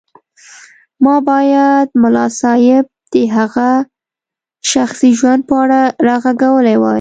ما بايد ملا صيب د هغه شخصي ژوند په اړه راغږولی وای.